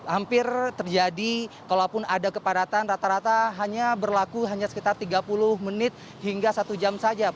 hampir terjadi kalaupun ada kepadatan rata rata hanya berlaku hanya sekitar tiga puluh menit hingga satu jam saja